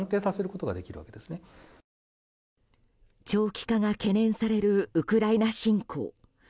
長期化が懸念されるウクライナ侵攻。